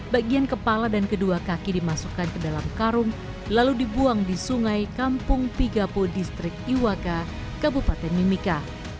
bagian kepala dan kedua kaki dimasukkan ke dalam karung lalu dibuang di sungai kampung pigapo distrik iwaka kabupaten mimika